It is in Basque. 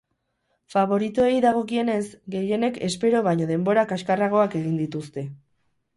Faboritoei dagokienez, gehienek espero baino denbora kaskarragoak egin dituzte.